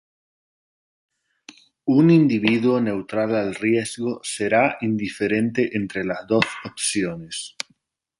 Un individuo neutral al riesgo será indiferente entre las dos opciones.